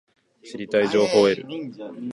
知りたい情報を得る